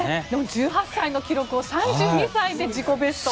１８歳の記録を３２歳で自己ベスト。